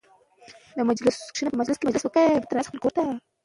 ادبي مجلسونه او مشاعرې د قندهار په سلطنتي کتابتون کې جوړېدې.